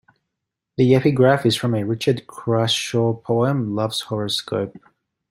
The epigraph is from a Richard Crashaw poem, "Love's Horoscope".